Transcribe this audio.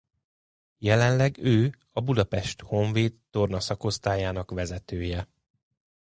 Jelenleg ő a Budapest Honvéd torna-szakosztályának vezetője